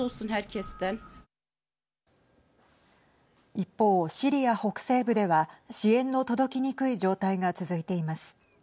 一方、シリア北西部では支援の届きにくい状態が続いています。